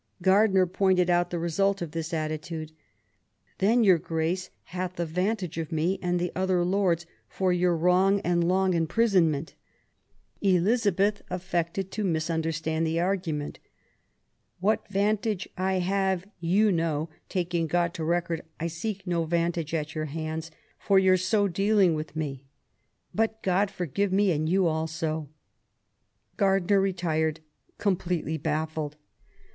Gardiner pointed out the result of this attitude :Then your Grace hath the vantage of me, and the other lords, for your wrong and long imprisonment ". Elizabeth affected to mis understand the argument :" What vantage I have, you know, taking God to record I seek no vantage THE YOUTH OF ELIZABETH. 35 at your hands for your so dealing with me : but God forgive me and you also". Gardiner retired com pletely baffled.